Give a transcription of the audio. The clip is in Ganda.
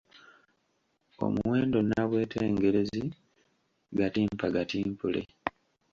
Omuwendo nnabwetengerezi Gattimpa Gatimpule: